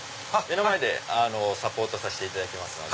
目の前でサポートさせていただきます。